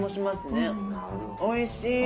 おいしい！